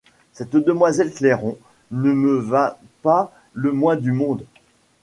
Cette demoiselle Clairon ne me va pas le moins du monde.